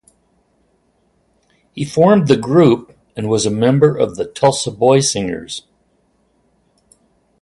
He formed the group and was a member of the Tulsa Boy Singers.